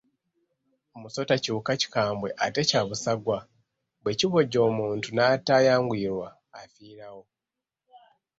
Omusota kiwuka kikambwe ate kya busagwa, bwe kibojja omuntu n’atayanguyirwa afiirawo.